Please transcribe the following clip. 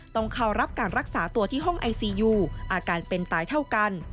ต้องเข้ารับการรักษาตัวที่ห้องไอซียูอาการเป็นตายเท่ากัน